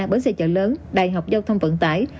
bến xe chợ lớn đại học giao thông vận tải